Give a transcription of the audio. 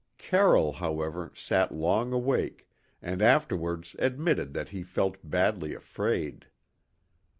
Carroll, however, sat long awake, and afterwards admitted that he felt badly afraid.